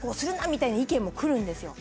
みたいな意見も来るんですよ